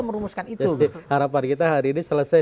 merumuskan itu harapan kita hari ini selesai